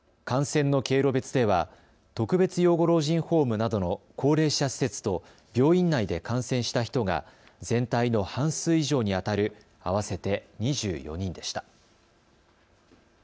感染の経路別では特別養護老人ホームなどの高齢者施設と病院内で感染した人が全体の半数以上にあたる合わせて２４人でした。